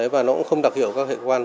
và nó cũng không đặc hiệu các hệ quan